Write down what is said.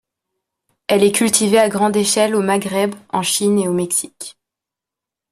Elle est cultivée à grande échelle au Maghreb, en Chine et au Mexique.